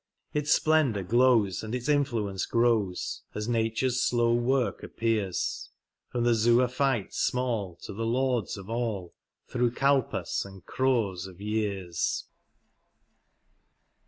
Its splendour glows and its influence g^ows As Nature's slow work appears, From the zoophyte small to the Lords of all. Through k^pas and crores of years.